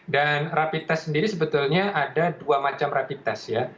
dan rapid test sendiri sebetulnya ada dua macam rapid test ya